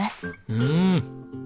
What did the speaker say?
うん。